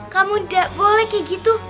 kamu gak boleh kaya gitu